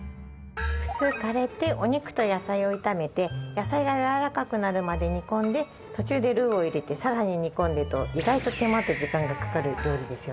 普通カレーってお肉と野菜を炒めて野菜がやわらかくなるまで煮込んで途中でルウを入れてさらに煮込んでと意外と手間と時間がかかる料理ですよね。